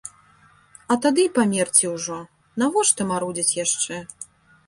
А тады й памерці ўжо, навошта марудзіць яшчэ.